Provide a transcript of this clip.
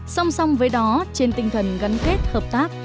song song với đó trên tinh thần gắn kết hợp tác